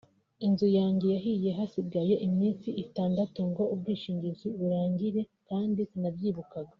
Inzu yanjye yahiye hasigaye iminsi itandatu ngo ubwishingizi burangire kandi sinabyibukaga